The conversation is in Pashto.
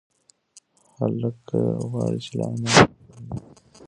هلک غواړي چې له انا نه لرې نشي.